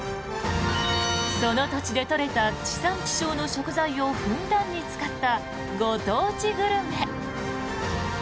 その土地で取れた地産地消の食材をふんだんに使ったご当地グルメ。